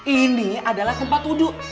ini adalah tempat wudhu